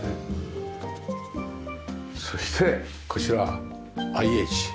そしてこちらＩＨ。